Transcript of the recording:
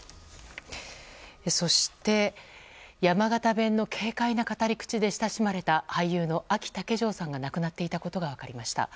そして、山形弁の軽快な語り口で親しまれた俳優のあき竹城さんが亡くなっていたことが分かりました。